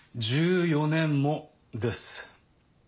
「１４年も」です。